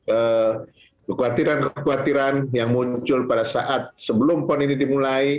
kekhawatiran kekhawatiran yang muncul pada saat sebelum pon ini dimulai